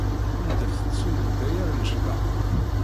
Ḥemdet- t s umendayer d ccḍeḥ!